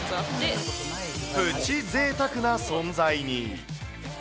プチぜいたくな存在に。